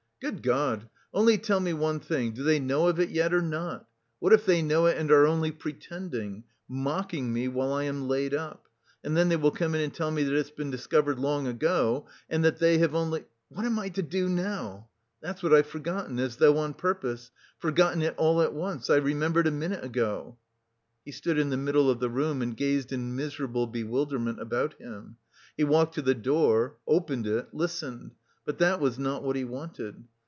"Good God, only tell me one thing: do they know of it yet or not? What if they know it and are only pretending, mocking me while I am laid up, and then they will come in and tell me that it's been discovered long ago and that they have only... What am I to do now? That's what I've forgotten, as though on purpose; forgotten it all at once, I remembered a minute ago." He stood in the middle of the room and gazed in miserable bewilderment about him; he walked to the door, opened it, listened; but that was not what he wanted.